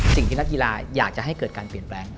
สิ่งที่นักกีฬาอยากจะให้เกิดการเปลี่ยนแปลง